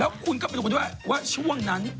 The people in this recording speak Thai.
แล้วคุณก็ไปดูไปด้วยว่าช่วงนั้น